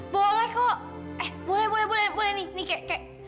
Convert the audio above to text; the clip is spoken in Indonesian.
boleh kok eh boleh boleh boleh nih nih kek